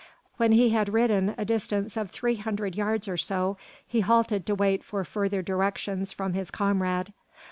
When he had ridden a distance of three hundred yards or so, he halted to wait for further directions from his comrade.